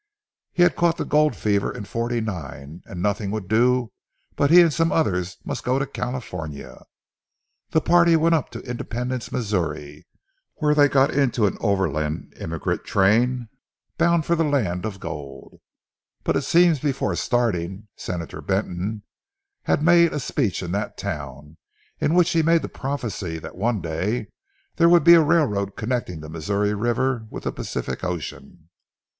He had caught the gold fever in '49, and nothing would do but he and some others must go to California. The party went up to Independence, Missouri, where they got into an overland emigrant train, bound for the land of gold. But it seems before starting, Senator Benton had made a speech in that town, in which he made the prophecy that one day there would be a railroad connecting the Missouri River with the Pacific Ocean.